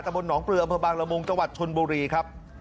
ตะบนหนองเปลืออพบังละมุงตชนบุรีครับ